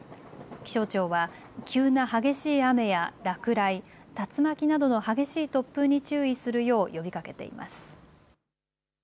気象庁は急な激しい雨や落雷、竜巻などの激しい突風に注意するよう呼びかけています。